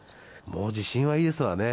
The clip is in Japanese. もう地震はいいですわね。